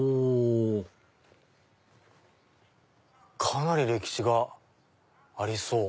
かなり歴史がありそう。